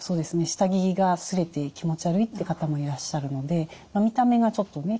下着が擦れて気持ち悪いって方もいらっしゃるので見た目がちょっとね